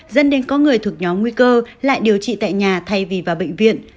dân đến có người thuộc nhóm nguy cơ lại điều trị tại nhà thay vì vào bệnh viện